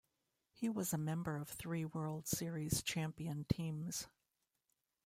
He was a member of three World Series champion teams.